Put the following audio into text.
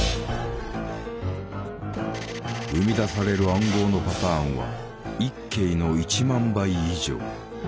生み出される暗号のパターンは１京の１万倍以上。